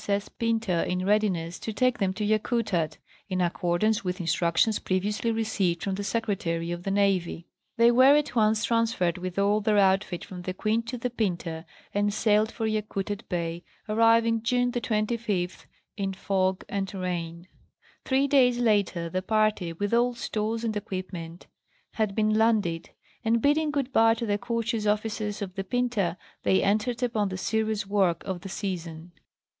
8. S. Pinta in readiness to take them to Yakutat, in accordance with instructions previously received from the Secre tary of the Navy. They were at once transferred with all their outfit from the Queen to the Pinta, and sailed for Yakutat Bay, arriving June 25, in fog and rain. Three days later the party, with all stores and equipment, had been landed ; and bidding good bye to the courteous officers of the Pinta, they entered upon the serious work of the season.